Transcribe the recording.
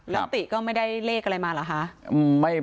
แล้วติก็ไม่ได้เรียบร้อยนะครับ